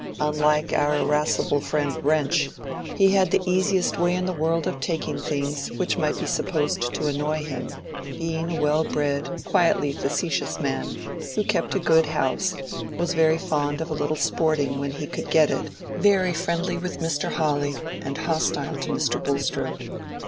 Unlike our irascible friend Wrench, he had the easiest way in the world of taking things which might be supposed to annoy him, being a well bred, quietly facetious man, who kept a good house, was very fond of a little sporting when he could get it, very friendly with Mr. Hawley, and hostile to Mr. Bulstrode.